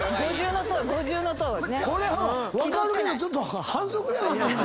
これは分かるけどちょっと反則やろという感じ。